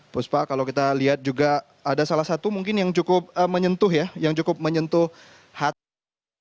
puspa kalau kita lihat juga ada salah satu mungkin yang cukup menyentuh ya yang cukup menyentuh hati